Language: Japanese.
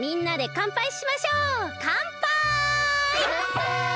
かんぱい！